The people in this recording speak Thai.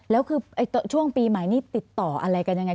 แล้วคือช่วงปีใหม่นี้ติดต่ออะไรกันยังไง